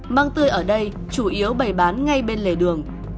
mang tươi ở đây chủ yếu bày bán ngay bên lề đường